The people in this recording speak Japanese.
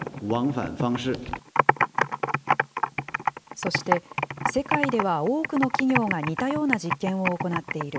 そして、世界では多くの企業が似たような実験を行っている。